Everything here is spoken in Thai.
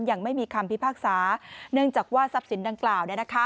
ยังไม่มีคำพิพากษาเนื่องจากว่าทรัพย์สินดังกล่าว